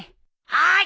はい！